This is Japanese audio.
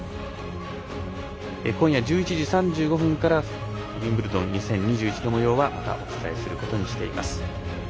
今夜１１時３５分からウィンブルドン２０２１のもようまたお伝えすることにしています。